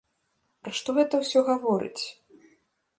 Пра што гэта ўсё гаворыць?